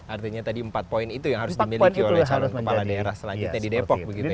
artinya tadi empat poin itu yang harus dimiliki oleh calon kepala daerah selanjutnya di depok begitu ya